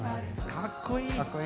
かっこいい！